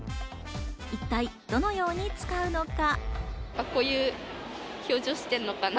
一体どのように使うのか？